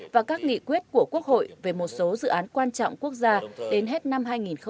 và các nghị quyết của quốc hội về một số dự án quan trọng quốc gia đến hết năm hai nghìn hai mươi